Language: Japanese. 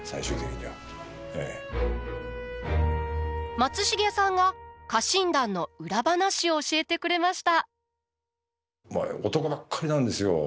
松重さんが家臣団の裏話を教えてくれました。